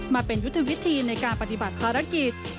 มาเป็นยุทธวิธีในการปฏิบัติภารกิจ